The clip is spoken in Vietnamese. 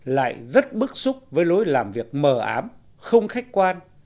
lại rất bức xúc với lối làm việc mờ ám không khách quan